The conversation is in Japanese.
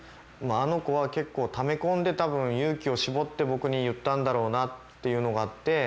あの子は結構ため込んでた分勇気を絞って僕に言ったんだろうなっていうのがあって。